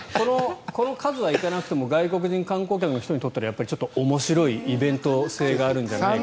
この数は行かなくても外国人観光客には面白いイベント性があるんじゃないかと。